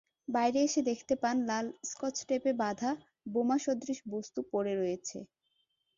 বাইরে এসে দেখতে পান, লাল স্কচটেপে বাঁধা বোমাসদৃশ বস্তু পড়ে রয়েছে।